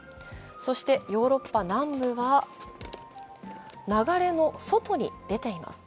そして、ヨーロッパ南部は、流れの外に出ています。